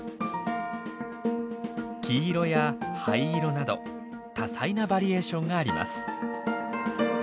黄色や灰色など多彩なバリエーションがあります。